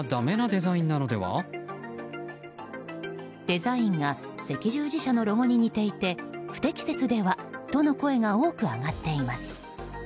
デザインが赤十字社のロゴに似ていて不適切では？との声が多く上がっています。